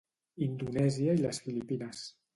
Indonèsia i les Filipines.